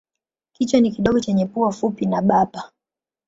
Kichwa ni kidogo chenye pua fupi na bapa.